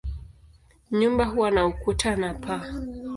Nyumba huwa na ukuta na paa.